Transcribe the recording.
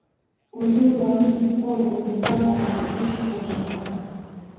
Uzuri wa Mji Mkongwe ni kwamba ni rahisi kuuzunguka